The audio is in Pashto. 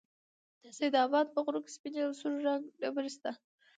د سيدآباد په غرو كې سپينې او سور رنگه ډبرې شته